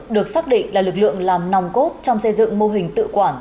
được xác định là lực lượng làm nòng cốt trong xây dựng mô hình tự quản